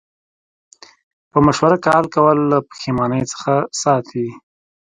په مشوره کار کول له پښیمانۍ څخه ساتي.